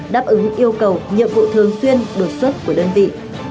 đáp ứng yêu cầu nhiệm vụ thường xuyên đột xuất của đơn vị